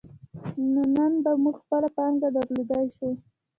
نو نن به موږ خپله پانګه درلودلای شو.